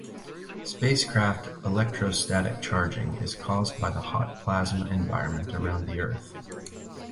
Spacecraft electrostatic charging is caused by the hot plasma environment around the Earth.